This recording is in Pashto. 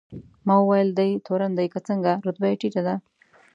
ما وویل: دی تورن دی که څنګه؟ رتبه یې ټیټه ده.